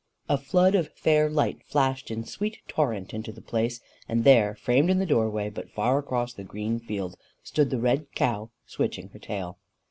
A flood of fair light flashed in sweet torrent into the place and there, framed in the doorway, but far across the green field, stood the red cow, switching her tail.